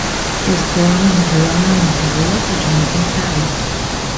He was born in Toronto, Ontario to Jamaican parents.